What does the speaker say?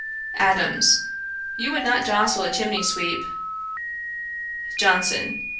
ADAMS. 'You would not jostle a chimney sweeper.' JOHNSON.